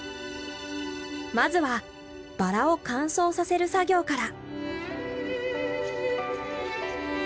まずはバラを乾燥させる作業から。